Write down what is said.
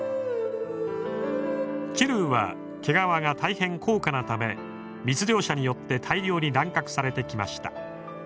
チルーは毛皮が大変高価なため密猟者によって大量に乱獲されてきました。